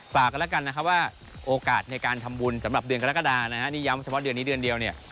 ฝากกันแล้วกันนะครับว่าโอกาสในการทำบุญสำหรับเดือนกรกฎานะฮะนี่ย้ำเฉพาะเดือนนี้เดือนเดียวเนี่ย